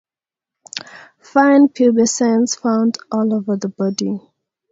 Fine pubescence found all over the body.